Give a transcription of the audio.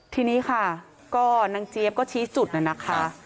ทีนี้ค่ะก็นางเจี๊ยบก็ชี้จุดน่ะนะคะ